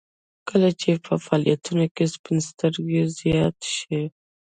کله چې په فعالیتونو کې سپین سترګي زیاته شوه